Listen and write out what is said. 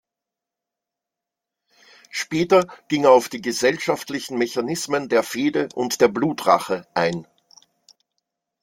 Später ging er auf die gesellschaftlichen Mechanismen der Fehde und der Blutrache ein.